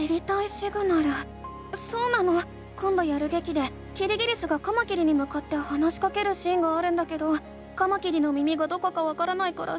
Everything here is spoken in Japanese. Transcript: そうなのこんどやるげきでキリギリスがカマキリにむかって話しかけるシーンがあるんだけどカマキリの耳がどこかわからないから知りたいの。